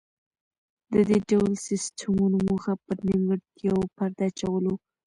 د دې ډول سیستمونو موخه پر نیمګړتیاوو پرده اچول و